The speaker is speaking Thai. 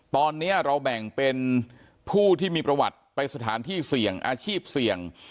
ตอนนี้เราแบ่งเป็นผู้ที่มีประวัติไปสถานที่เสี่ยงอาชีพเสี่ยง